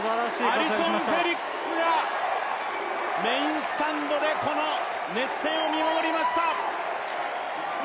アリソン・フェリックスがメインスタンドでこの熱戦を見守りました。